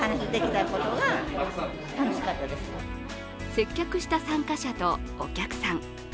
接客した参加者とお客さん。